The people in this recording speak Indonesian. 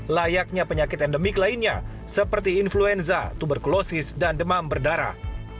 layaknya penyakit endemik lainnya seperti influenza tuberkulosis dan demam berdarah